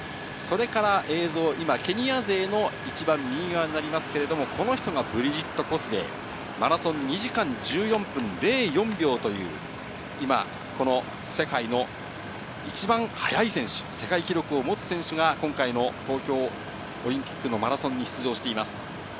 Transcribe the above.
そして、ケニア勢の一番右側、この人がブリジット・コスゲイ、マラソン２時間１４分０４秒という世界の一番速い選手、世界記録を持つ選手が今回の東京オリンピックのマラソンに出場しています。